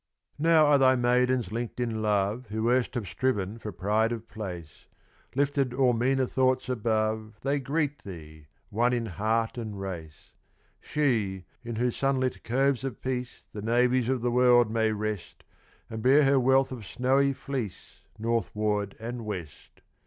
Now are thy maidens linked in love, Who erst have striven for pride of place; Lifted all meaner thoughts above They greet thee, one in heart and race; She, in whose sunlit coves of peace The navies of the world may rest, And bear her wealth of snowy fleece Northward and west.